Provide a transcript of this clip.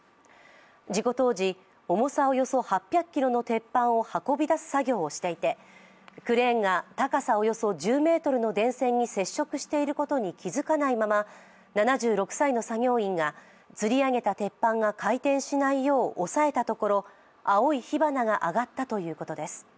事故当時、重さおよそ８００ｋｇの鉄板を運び出す作業をしていてクレーンが高さおよそ１０ｍの電線に接触していることに気づかないまま、７６歳の作業員がつり上げた鉄板が回転しないよう押さえたところ青い火花が上がったということです。